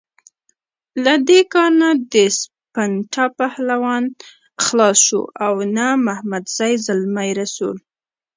له دې کار نه سپنتا پهلوان خلاص شو او نه محمدزی زلمی رسول.